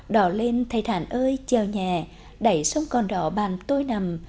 đỏ lên tài thản ơi treo nhẹ đẩy sông con đỏ bàn tôi nằm